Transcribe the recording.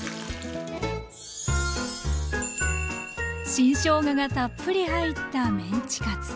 新しょうががたっぷり入ったメンチカツ。